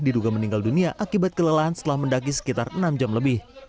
diduga meninggal dunia akibat kelelahan setelah mendaki sekitar enam jam lebih